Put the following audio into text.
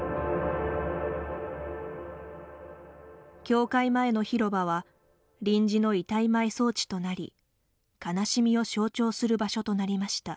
教会前の広場は臨時の遺体埋葬地となり悲しみを象徴する場所となりました。